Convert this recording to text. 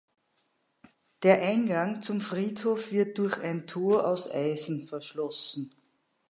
Der Eingang zum Friedhof wird durch ein Tor aus Eisen verschlossen.